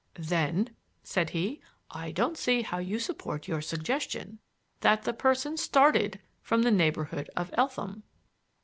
"Then," said he, "I don't see how you support your suggestion that the person started from the neighborhood of Eltham."